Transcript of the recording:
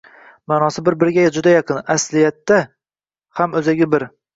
Maʼnosi bir-biriga juda yaqin, asliyatda ham oʻzagi bir